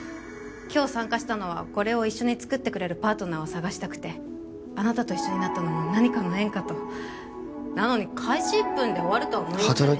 今日参加したのはこれを一緒に作ってくれるパートナーを探したくてあなたと一緒になったのも何かの縁かとなのに開始１分で終わるとは思いませんでした